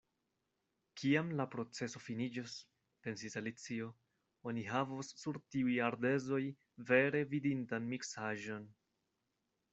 "Kiam la proceso finiĝos," pensis Alicio, "oni havos sur tiuj ardezoj vere vidindan miksaĵon!"